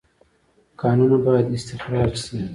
کانونه باید استخراج شي